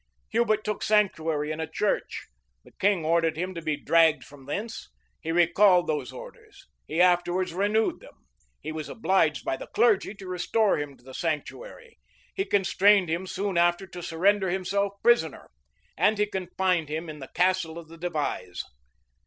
Hubert took sanctuary in a church: the king ordered him to be dragged from thence: he recalled those orders: he afterwards renewed them: he was obliged by the clergy to restore him to the sanctuary: he constrained him soon after to surrender himself prisoner, and he confined him in the castle of the Devizes.